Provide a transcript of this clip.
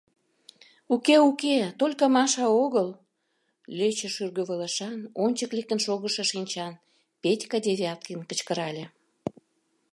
— Уке, уке, только Маша огыл, — лӧчӧ шӱргывылышан, ончык лектын шогышо шинчан Петька Девяткин кычкырале.